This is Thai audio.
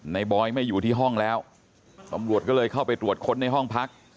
บอยไม่อยู่ที่ห้องแล้วตำรวจก็เลยเข้าไปตรวจค้นในห้องพัก